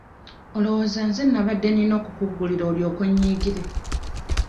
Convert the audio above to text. Olowooza nze nnabadde nnina okukuggulira olyoke onnyiigire?